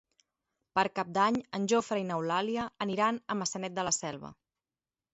Per Cap d'Any en Jofre i n'Eulàlia aniran a Maçanet de la Selva.